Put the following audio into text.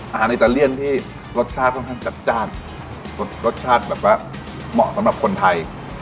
อาหารอิตาเลียนที่รสชาติค่อนข้างจัดรสชาติเหมาะสำหรับคนไทย